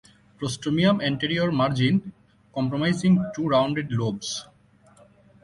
Prostomium anterior margin comprising two rounded lobes.